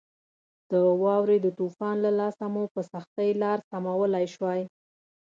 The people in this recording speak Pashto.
د واورې د طوفان له لاسه مو په سختۍ لار سمولای شوای.